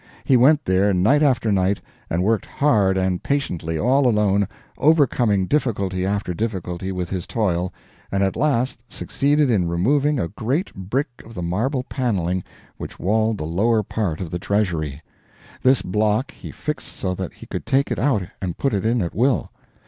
He went there, night after night, and worked hard and patiently, all alone, overcoming difficulty after difficulty with his toil, and at last succeeded in removing a great brick of the marble paneling which walled the lower part of the treasury; this block he fixed so that he could take it out and put it in at will.